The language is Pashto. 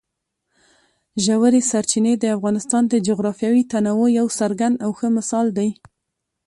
ژورې سرچینې د افغانستان د جغرافیوي تنوع یو څرګند او ښه مثال دی.